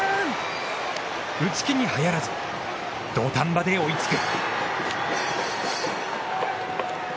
打ち気にはやらず、土壇場で追いつく。